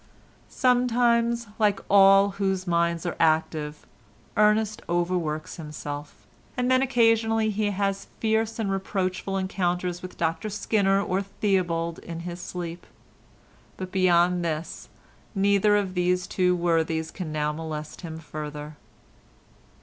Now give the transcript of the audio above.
Sometimes, like all whose minds are active, Ernest overworks himself, and then occasionally he has fierce and reproachful encounters with Dr Skinner or Theobald in his sleep—but beyond this neither of these two worthies can now molest him further.